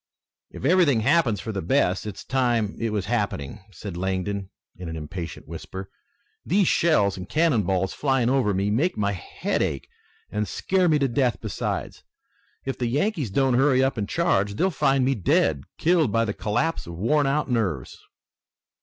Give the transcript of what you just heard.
"If everything happens for the best it's time it was happening," said Langdon in an impatient whisper. "These shells and cannon balls flying over me make my head ache and scare me to death besides. If the Yankees don't hurry up and charge, they'll find me dead, killed by the collapse of worn out nerves."